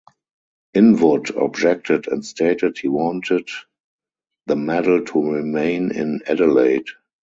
Inwood objected and stated he wanted the medal to remain in Adelaide.